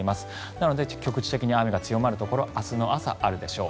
なので局地的に雨が強まるところ明日の朝、あるでしょう。